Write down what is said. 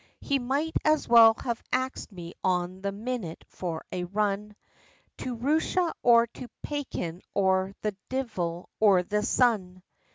He might as well have axed me on the minute, for a run, To Roosha or to Paykin, or the divil or the sun!